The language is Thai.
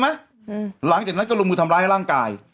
หลังจากนั้นก็ลงมือทำร้ายร่างกาย